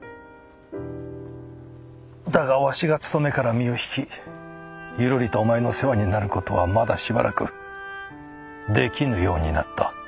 だがわしが仕事から身を引きゆるりとお前の世話になる事はまだしばらくできぬようになった。